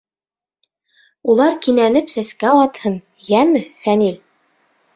Улар кинәнеп сәскә атһын, йәме, Фәнил.